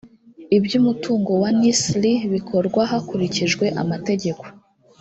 iby’umutungo wa nisr bikorwa hakurikijwe amategeko